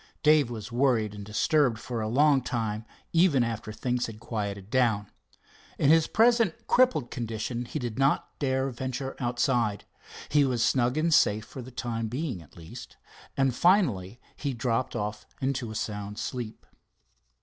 Dave was worried and disturbed for a long time, even after things had quieted down. In his present crippled condition he did not dare venture outside. He was snug and safe for the time being at least, and finally he dropped off into a sound sleep.